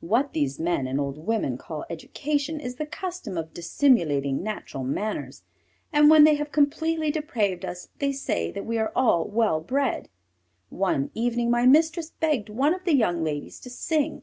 What these men and old women call education is the custom of dissimulating natural manners, and when they have completely depraved us they say that we are well bred. One evening my mistress begged one of the young ladies to sing.